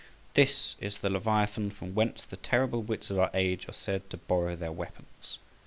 This is the Leviathan from whence the terrible wits of our age are said to borrow their weapons.